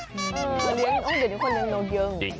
อืมเดี๋ยวนี้คนเลี้ยงโนเกียง